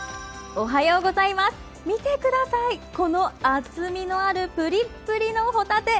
見てください、この厚みのあるプリップリのホタテ。